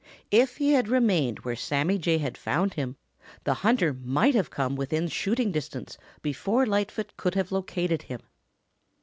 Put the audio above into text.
If he had remained where Sammy Jay had found him, the hunter might have come within shooting distance before Lightfoot could have located him.